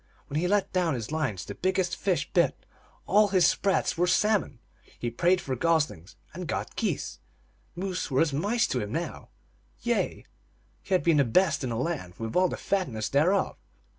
When he let down his lines the biggest fish bit ; all his sprats were salmon ; he prayed for gos lings, and got geese ; moose were as mice to him now ; yea, he had the best in the land, with all the fatness thereof.